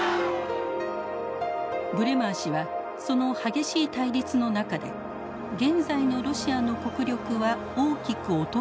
ブレマー氏はその激しい対立の中で現在のロシアの国力は大きく衰えてきていると分析します。